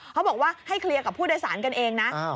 เขาบอกว่าให้เคลียร์กับผู้โดยสารกันเองนะ